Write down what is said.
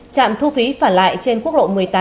trạm thu phí phản lại trên quốc lộ một mươi tám